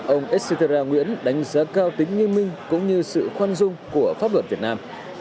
ông estera nguyễn đánh giá cao tính nghiêm minh cũng như sự khoan dung của pháp luật việt nam